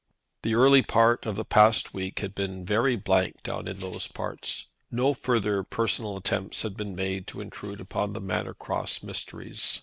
The early part of the past week had been very blank down in those parts. No further personal attempts had been made to intrude upon the Manor Cross mysteries.